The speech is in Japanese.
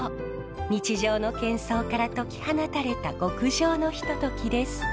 日常のけん騒から解き放たれた極上のひとときです。